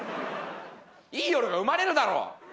いい夜が生まれるだろ！